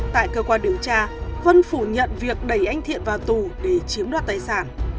tại cơ quan điều tra huân phủ nhận việc đẩy anh thiện vào tù để chiếm đoạt tài sản